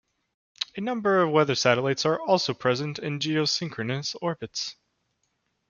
A number of weather satellites are also present in geosynchronous orbits.